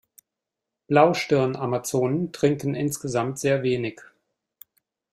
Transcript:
Blaustirnamazonen trinken insgesamt sehr wenig.